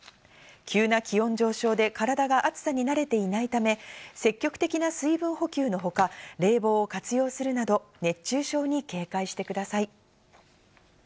急な気温上昇で体が暑さに慣れていないため、積極的な水分補給の他、冷房を活用するなど、熱中症に警戒してください。